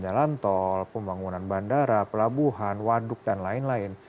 jalan tol pembangunan bandara pelabuhan waduk dan lain lain